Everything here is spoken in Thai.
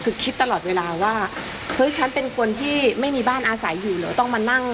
คือคิดตลอดเวลาว่าเฮ้ยฉันเป็นคนที่ไม่มีบ้านอาศัยอยู่เหรอต้องมานั่ง